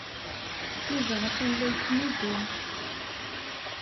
Yuba atan la yettnuddum.